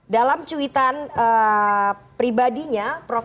dalam cuitan pribadinya prof